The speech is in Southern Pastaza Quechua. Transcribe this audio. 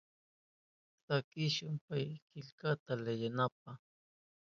Sakishu pay killkata leyinanpa.